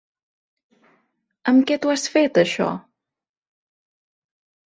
Amb què t'ho has fet, això?